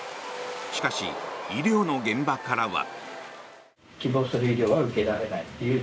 しかし医療の現場からは。